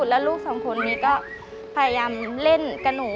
แล้วลูกสองคนนี้ก็พยายามเล่นกับหนู